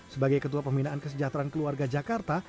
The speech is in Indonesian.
sebagai ketua pembinaan kesejahteraan keluarga jakarta